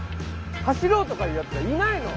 走ろうとかいうやつはいないの。